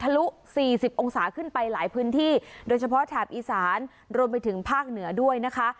ลุ๔๐องศาขึ้นไปหลายพื้นที่โดยเฉพาะแถบอีสานรวมไปถึงภาคเหนือด้วยนะคะ